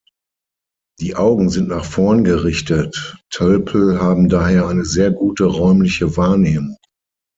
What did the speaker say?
Die Augen sind nach vorn gerichtet, Tölpel haben daher eine sehr gute räumliche Wahrnehmung.